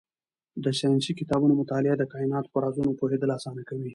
د ساینسي کتابونو مطالعه د کایناتو په رازونو پوهېدل اسانه کوي.